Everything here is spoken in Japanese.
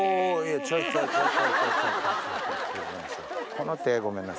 この手ごめんなさい。